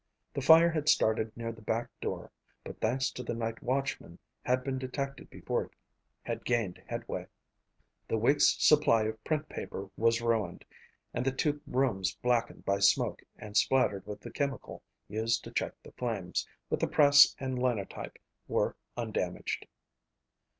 The fire had started near the back door but thanks to the night watchman had been detected before it had gained headway. The week's supply of print paper was ruined and the two rooms blackened by smoke and splattered with the chemical used to check the flames, but the press and Linotype were undamaged.